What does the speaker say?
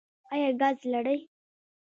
ایا ګاز لرئ؟